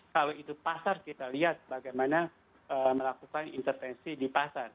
kalau itu pasar kita lihat bagaimana melakukan intervensi di pasar